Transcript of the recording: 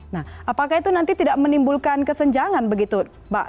nah apakah itu nanti tidak menimbulkan kesenjangan begitu mbak